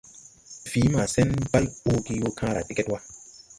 Fii masen bày ɔɔge yoo kããra deged wa.